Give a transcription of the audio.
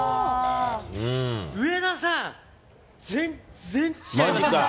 上田さん、全然違います。